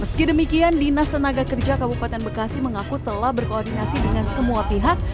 meski demikian dinas tenaga kerja kabupaten bekasi mengaku telah berkoordinasi dengan semua pihak